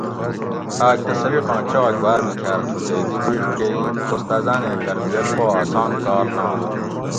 آۤک تہ سبقاں چاگ باۤر بِکھاۤر تھُو تے دی پیڛ کۤہ ای استاۤزاۤنیں تربیت پا اسان کار نات